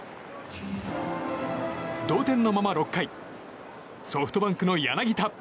同点のまま６回ソフトバンクの柳田。